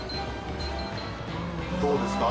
どうですか？